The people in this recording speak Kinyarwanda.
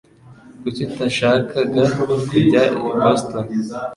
Kuki utashakaga kujya i Boston?